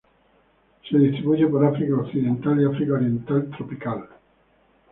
Se distribuye por África occidental y África oriental tropical.